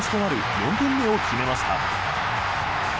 ４点目を決めました。